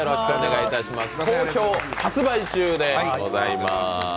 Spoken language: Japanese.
好評発売中でございます。